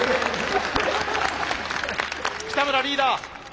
北村リーダー。